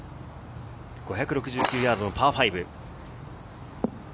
５６９ヤードのパー５。